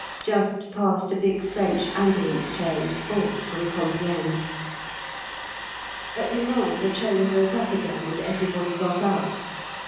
Just passed a big French ambulance train full from Compiègne. At Le Mans the train broke up again, and everybody got out.